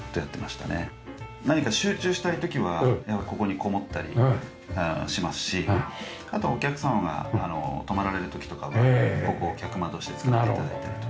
何か集中したい時はここにこもったりしますしあとお客様が泊まられる時とかはここを客間として使って頂いたりと。